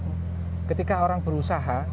lihat ketika orang berusaha